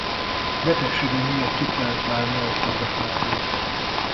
Betegsége miatt ki kellett válnia a forgatásból.